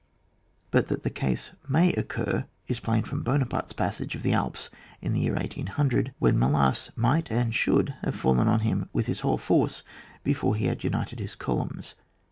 But that the case riMky occur is plain from Buonaparte's passage of the Alps in the year 1800, when Melas might and should have fallen on him with his whole force before he had united his columns.